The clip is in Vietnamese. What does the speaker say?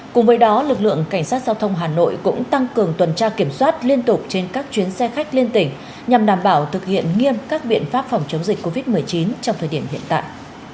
cùng với đó lực lượng cảnh sát giao thông hà nội cũng tăng cường tuần tra kiểm soát liên tục trên các chuyến xe khách liên tỉnh nhằm đảm bảo thực hiện nghiêm các biện pháp phòng chống dịch covid một mươi chín trong thời điểm hiện tại